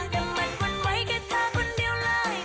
ดังมันคุ้นไว้แค่เธอคนเดียวแล้วอีกนาน